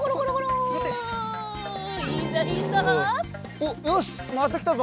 おっよしまたきたぞ。